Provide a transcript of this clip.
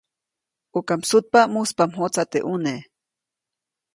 ʼUka msutpa, muspa mjotsa teʼ ʼune.